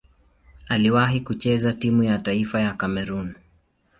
Aliwahi kucheza timu ya taifa ya Kamerun.